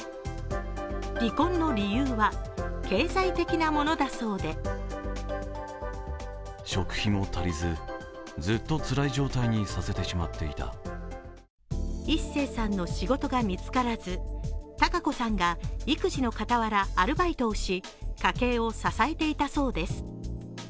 離婚の理由は経済的なものだそうで壱成さんの仕事が見つからず貴子さんが育児の傍らアルバイトをし家計を支えていたそうです。